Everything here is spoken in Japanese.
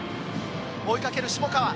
追いかける、下川。